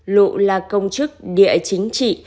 lụ là công chức địa chính trị